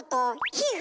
皮膚？